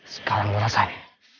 sekarang lu rasain